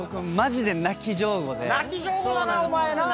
泣き上戸だなお前な。